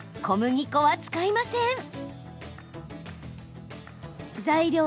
小麦粉は使いません。